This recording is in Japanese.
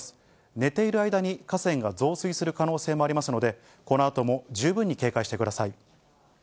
寝ている間に河川が増水する可能性もありますので、このあとも十分に警戒してください。